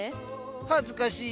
恥ずかしい。